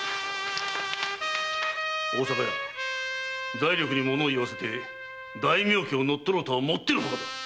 財力にものを言わせて大名家を乗っ取ろうとはもってのほかだ！